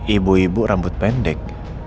ibu ibu rambut pendek